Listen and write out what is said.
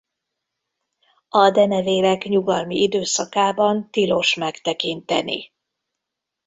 A denevérek nyugalmi időszakában tilos megtekinteni.